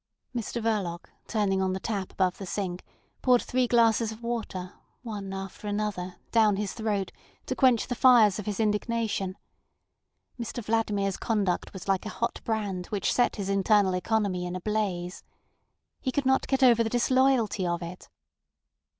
Mr Verloc, turning on the tap above the sink, poured three glasses of water, one after another, down his throat to quench the fires of his indignation. Mr Vladimir's conduct was like a hot brand which set his internal economy in a blaze. He could not get over the disloyalty of it.